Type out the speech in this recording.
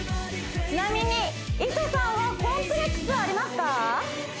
ちなみにいとさんはコンプレックスはありますか？